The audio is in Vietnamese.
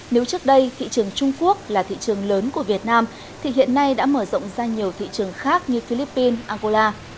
nếu trước đây thị trường trung quốc là thị trường lớn của việt nam thì hiện nay đã mở rộng ra nhiều thị trường khác như philippines angola